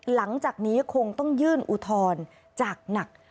หลังจากนี้คงต้องยื่นอุทธรณ์จากหนัก